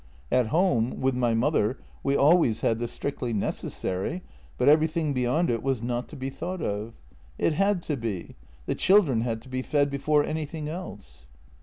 At home, with my mother, we always had the strictly necessary, but everything beyond it was not to be thought of. It had to be — the chil dren had to be fed before anything else."